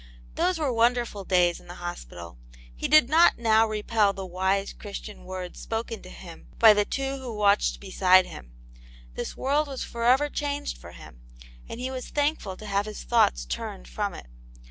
Those were wonderful days in the hospital. He did not now repel the wise. Christian words spoken to him by the two who watched beside him; this world was for ever changed for him, and he was thankful to have his thoughts turned from it.